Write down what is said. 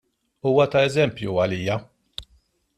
Huwa ta' eżempju għalija.